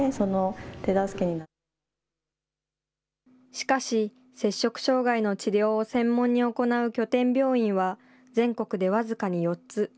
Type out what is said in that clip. しかし、摂食障害の治療を専門に行う拠点病院は、全国で僅かに４つ。